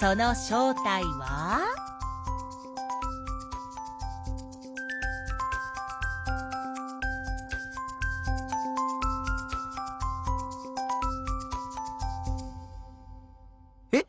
その正体は？え？